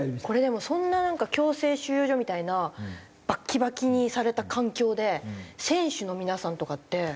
これでもそんななんか強制収容所みたいなバッキバキにされた環境で選手の皆さんとかって。